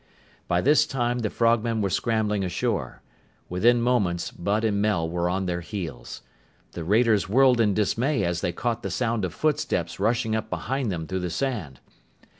By this time, the frogmen were scrambling ashore. Within moments, Bud and Mel were on their heels. The raiders whirled in dismay as they caught the sound of footsteps rushing up behind them through the sand.